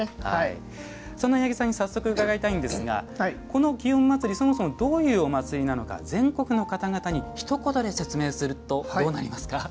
その八木さんに早速伺いたいのですがそもそもどういうお祭りなのか全国の方々にひと言で説明すると、どうなりますか。